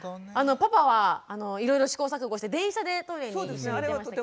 パパはいろいろ試行錯誤して電車でトイレに一緒に行ってましたけど。